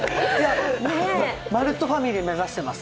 まるっとファミリー目指してます。